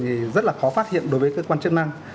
thì rất là khó phát hiện đối với cơ quan chức năng